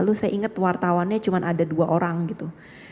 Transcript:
lalu saya ingat wartawannya cuma ada dua orang gitu